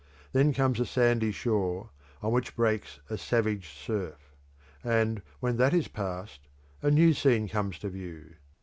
Then comes a sandy shore, on which breaks a savage surf; and when that is passed, a new scene comes to view.